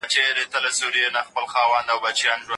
دا یو داسې اثر دی چې باید په دقت ولوستل شي.